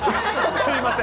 すみません。